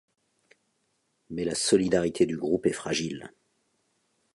Mais la solidarité du groupe est fragile...